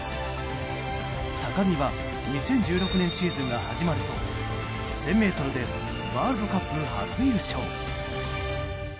高木は２０１６年シーズンが始まると１０００ｍでワールドカップ初優勝。